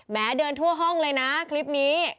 เดินทั่วห้องเลยนะคลิปนี้